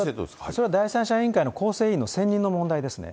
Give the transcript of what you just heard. それは第三者委員会の構成員のせんにんの問題ですね。